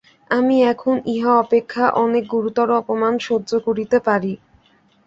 আমি এখন ইহা অপেক্ষা অনেক গুরুতর অপমান সহ্য করিতে পারি।